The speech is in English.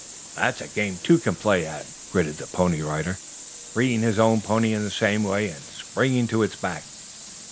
"That's a game two can play at," gritted the Pony Rider, freeing his own pony in the same way and springing to its back.